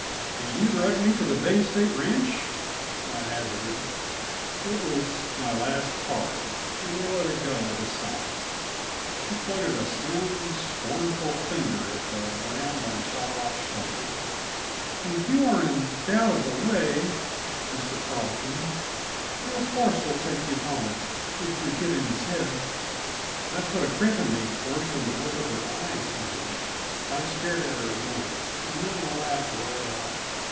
"Can you direct me to the Bay State Ranch?" I hazarded. It was my last card, and I let it go with a sigh. She pointed a slim, scornful finger at the brand on Shylock's shoulder. "If you are in doubt of the way, Mr. Carleton, your horse will take you home if you give him his head." That put a crimp in me worse than the look of her eyes, even. I stared at her a minute, and then laughed right out.